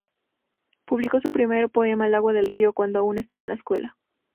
Publicó su primer poema "El agua del río" cuando aún estaba en la escuela.